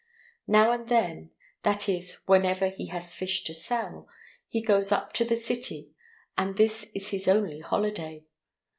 Now and then—that is, whenever he has fish to sell—he goes up to the city; and this is his only holiday.